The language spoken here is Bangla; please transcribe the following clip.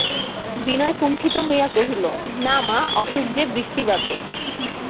বিনয় কুণ্ঠিত হইয়া কহিল, না, মা, অসুখ– যে বৃষ্টিবাদল!